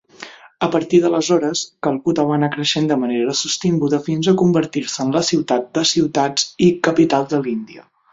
A partir d'aleshores, "Calcutta va anar creixent de manera sostinguda fins a convertir'se en la "ciutat de ciutats" i capital de l'Índia".